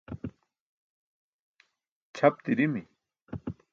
ćʰap dirimi